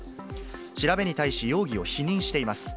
調べに対し、容疑を否認しています。